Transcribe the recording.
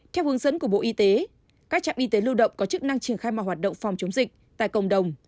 theo hướng dẫn của bộ y tế các trạm y tế lưu động có chức năng triển khai mọi hoạt động phòng chống dịch tại cộng đồng